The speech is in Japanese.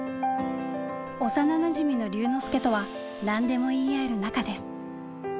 幼なじみの龍之介とは何でも言い合える仲です。